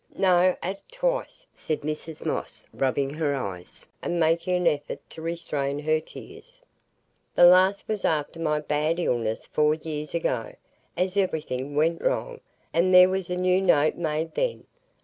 "No; at twice," said Mrs Moss, rubbing her eyes and making an effort to restrain her tears. "The last was after my bad illness four years ago, as everything went wrong, and there was a new note made then.